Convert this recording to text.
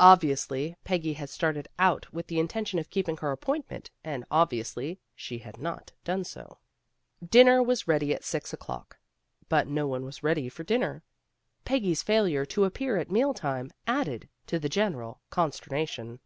Obviously Peggy had started out with the intention of keeping her appointment, and obviously she had not done so. Dinner was ready at six o'clock, but no one was ready for dinner. Peggy's failure to ap A MISSING BRIDE 305 pear at meal time added to the general con sternation.